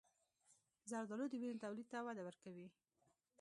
زردآلو د وینې تولید ته وده ورکوي.